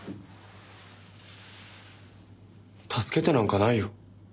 助けてなんかないよ。